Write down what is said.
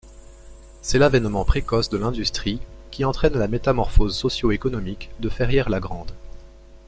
C’est l’avènement précoce de l’industrie qui entraîne la métamorphose socio-économique de Ferrière-la-Grande.